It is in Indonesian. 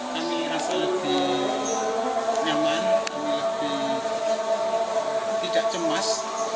kami rasa lebih nyaman kami lebih tidak cemas